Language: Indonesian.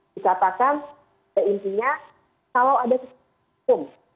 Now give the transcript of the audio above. dikatakan seintinya kalau ada kesimpulan